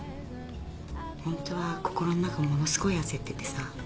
ホントは心の中ものすごい焦っててさ。